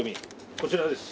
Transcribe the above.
こちらです。